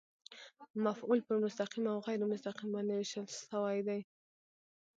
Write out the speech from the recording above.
مفعول پر مستقیم او غېر مستقیم باندي وېشل سوی دئ.